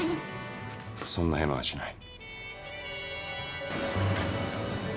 そんなヘマはしない。